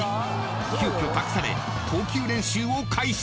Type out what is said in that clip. ［急きょ託され投球練習を開始］